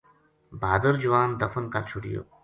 بھادر جوان دفن کر چھُڑیو